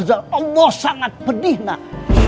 allah sangat pedih nak